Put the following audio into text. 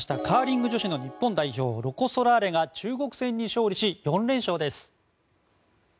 カーリング女子の日本代表ロコ・ソラーレが中国戦に勝利し４連勝です。